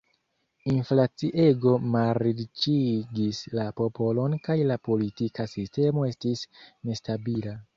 Inflaciego malriĉigis la popolon kaj la politika sistemo estis nestabila.